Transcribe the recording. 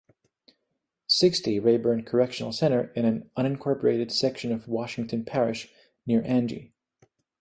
"Sixty" Rayburn Correctional Center in an unincorporated section of Washington Parish, near Angie.